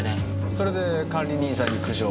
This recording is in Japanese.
それで管理人さんに苦情を。